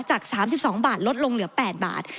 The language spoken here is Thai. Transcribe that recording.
จาก๓๒บาทลดลงเหลือ๘บาท